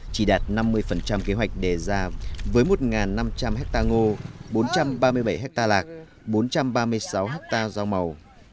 chỉ đạt năm mươi kế hoạch đề ra với một năm trăm linh hectare ngô bốn trăm ba mươi bảy hectare lạc bốn trăm ba mươi sáu hectare rau màu